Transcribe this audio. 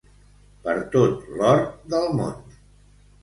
Per tot l'or del món.